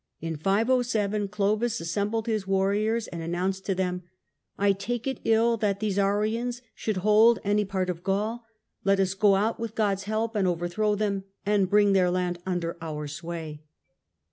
In 507 Clovis assembled his warriors and announced to them :" I take it ill that these Arians should hold any part of Gaul. Let us go out with God's help and overthrow them, and bring their land under our sway."